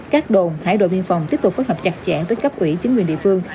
các đồn hải đội biên phòng tiếp tục phối hợp chặt chẽ với cấp ủy chính quyền địa phương